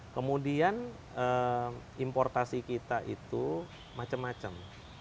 kemudian importasi kita itu macam macam